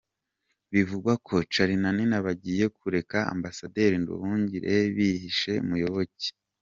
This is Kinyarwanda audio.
Bivugwa ko Charly na Nina bagiye kureba Ambasaderi Nduhungirehe bihishe Muyoboke.